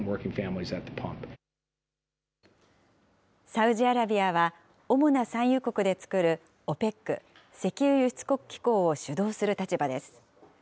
サウジアラビアは主な産油国で作るＯＰＥＣ・石油輸出国機構を主導する立場です。